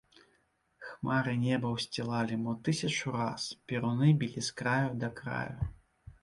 Хмары неба ўсцілалі мо тысячу раз, перуны білі з краю да краю.